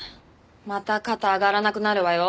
また肩上がらなくなるわよ。